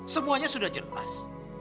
semuanya sudah jelas